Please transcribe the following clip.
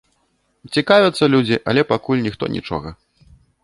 Цікавяцца людзі, але пакуль ніхто нічога.